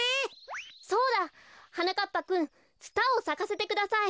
そうだ！はなかっぱくんツタをさかせてください。